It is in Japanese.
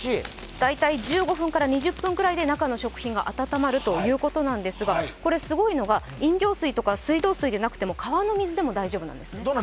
大体１５分から２０分ぐらいで中の食品が温まるということですが、これ、すごいのが飲料水とか水道水でなくても川の水でも大丈夫なんです。